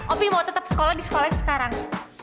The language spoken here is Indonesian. opi mau tetep sekolah tuk sekolah noriko